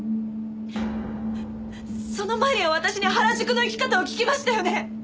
その前には私に原宿の行き方を聞きましたよね？